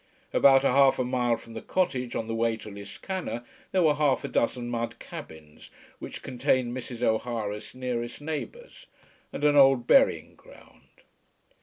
About a half a mile from the cottage on the way to Liscannor there were half a dozen mud cabins which contained Mrs. O'Hara's nearest neighbours, and an old burying ground.